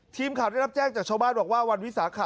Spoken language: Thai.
ทีมข่าวได้รับแจ้งจากชาวบ้านบอกว่าวันวิสาขะ